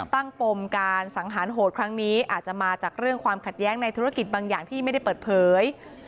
ปมการสังหารโหดครั้งนี้อาจจะมาจากเรื่องความขัดแย้งในธุรกิจบางอย่างที่ไม่ได้เปิดเผย